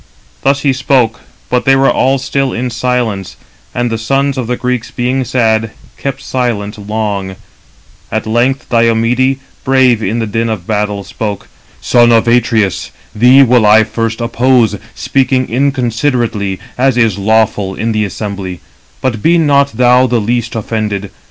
Thus he spoke; but they were all still in silence, and the sons of the Greeks being sad, kept silent long: at length Diomede, brave in the din of battle, spoke: "Son of Atreus, thee will I first oppose, speaking inconsiderately, as is lawful, in the assembly; but be not thou the least offended.